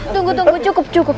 tunggu tunggu cukup cukup